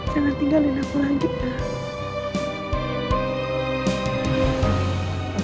jangan tinggalin aku lagi